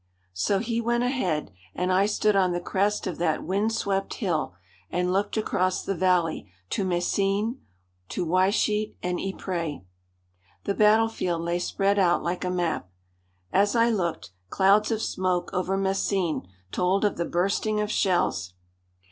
So he went ahead, and I stood on the crest of that wind swept hill and looked across the valley to Messines, to Wytschaete and Ypres. The battlefield lay spread out like a map. As I looked, clouds of smoke over Messines told of the bursting of shells.